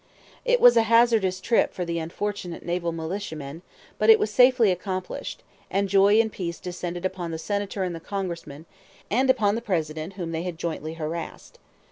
It was a hazardous trip for the unfortunate naval militiamen, but it was safely accomplished; and joy and peace descended upon the Senator and the Congressman, and upon the President whom they had jointly harassed.